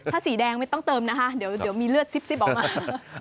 ถ้าสีแดงไม่ต้องเติมนะคะเดี๋ยวมีเลือดซิบออกมา